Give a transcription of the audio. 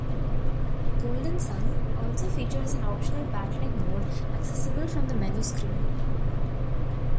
"Golden Sun" also features an optional battling mode accessible from the menu screen.